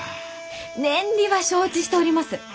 年利は承知しております！